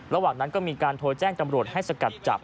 ระหว่างนั้นก็มีการโทรแจ้งตำรวจให้สกัดจับ